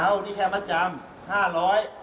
แล้วนี่แค่มัดจำ๕๐๐นะครับ